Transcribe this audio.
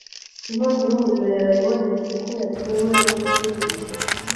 Inkongi y'umuriro yaraye ibonetse ko yatewe no gutwika.